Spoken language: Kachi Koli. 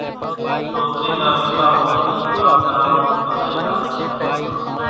سوڪرِي نا ويوا مورِ اِي ڪام ڪراوون الائِي لازمِي ۿمزتان۔